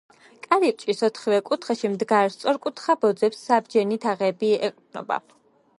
კარიბჭის ოთხივე კუთხეში მდგარ სწორკუთხა ბოძებს საბჯენი თაღები ეყრდნობა.